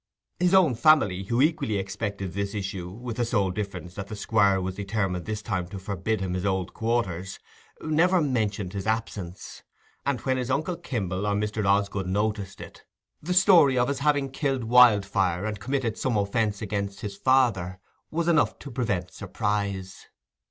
His own family, who equally expected this issue, with the sole difference that the Squire was determined this time to forbid him the old quarters, never mentioned his absence; and when his uncle Kimble or Mr. Osgood noticed it, the story of his having killed Wildfire, and committed some offence against his father, was enough to prevent surprise.